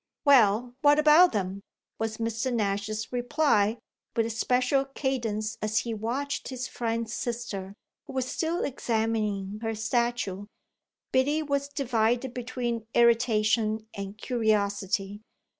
"Well, what about them?" was Mr. Nash's reply with a special cadence as he watched his friend's sister, who was still examining her statue. Biddy was divided between irritation and curiosity.